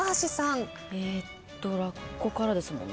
えっとらっこからですもんね。